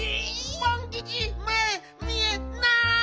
パンキチ目見えない！